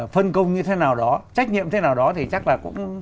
phân công như thế nào đó trách nhiệm thế nào đó thì chắc là cũng